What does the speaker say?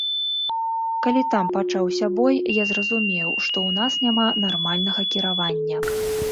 Калі там пачаўся бой, я зразумеў, што ў нас няма нармальнага кіравання.